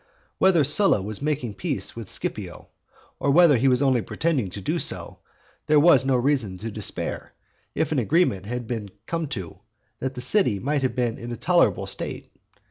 Whether Sylla was making peace with Scipio, or whether he was only pretending to do so, there was no reason to despair, if an agreement had been come to, that the city might have been in a tolerable state.